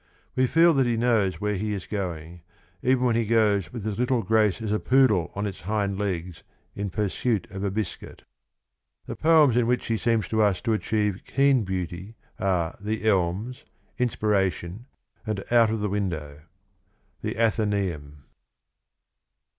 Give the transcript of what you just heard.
We feel that he knows where he is going, even when he goes with as little grace as a poodle on its hind legs in pursuit of a biscuit. The poems in which he seems to us to achieve keen beauty are The Elms, Inspiration, and Out of the Window. — The Athenceum.